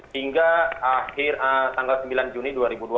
hingga akhir tanggal sembilan juni dua ribu dua puluh